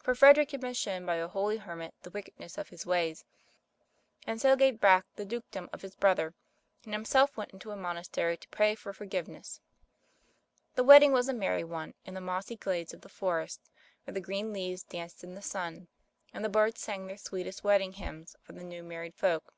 For Frederick had been shown by a holy hermit the wick edness of his ways, and so gave back the dukedom of his brother and himself went into a monastery to pray for forgiveness. The wedding was a merry one, in the mossy glades of the forest where the green leaves danced in the sun, and the birds sang their sweetest wedding hymns for the new married folk.